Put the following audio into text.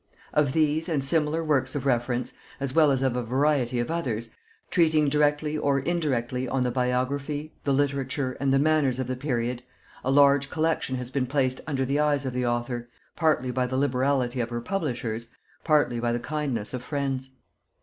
Of these and similar works of reference, as well as of a variety of others, treating directly or indirectly on the biography, the literature, and the manners of the period, a large collection has been placed under the eyes of the author, partly by the liberality of her publishers, partly by the kindness of friends.